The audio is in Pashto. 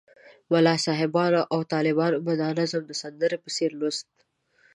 ملا صاحبانو او طالبانو به دا نظم د سندرې په څېر لوست.